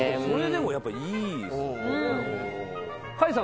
それでもやっぱいいですよね。